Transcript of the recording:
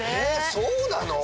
そうなの！